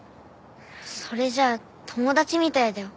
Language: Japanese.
それじゃあ友達みたいだよ。